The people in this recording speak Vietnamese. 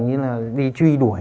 như là đi truy đuổi